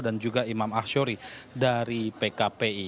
dan juga imam ahsyuri dari pkpi